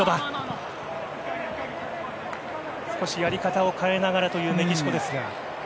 少しやり方を変えながらというメキシコですが。